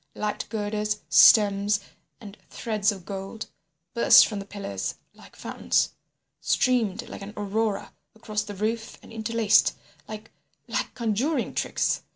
Light girders, stems and threads of gold, burst from the pillars like fountains, streamed like an Aurora across the roof and interlaced, like—like conjuring tricks.